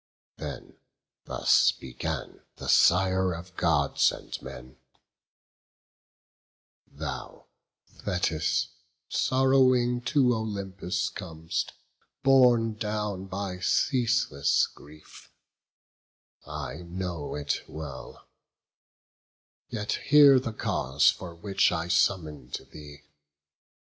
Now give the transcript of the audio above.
Then thus began the sire of Gods and men: "Thou, Thetis, sorrowing to Olympus com'st, Borne down by ceaseless grief; I know it well; Yet hear the cause for which I summon'd thee.